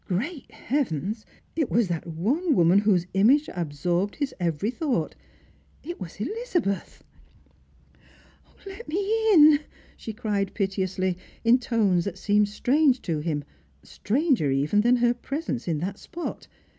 Great Heaven ! it was that one woman whose image absorbed his every thought ; it was Elizabeth !" Let me in !" she cried piteously, intones that seemed strange to him ; stranger even than her presence in that spot.